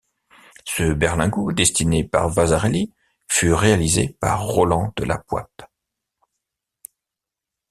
Ce berlingot, dessiné par Vasarely, fut réalisé par Roland de la Poype.